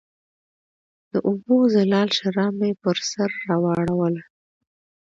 د اوبو زلال شراب مې پر سر واړوله